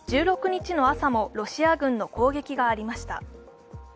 １６日の朝もロシア軍の攻撃がありました。